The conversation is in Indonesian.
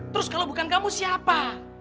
terus kalau bukan kamu siapa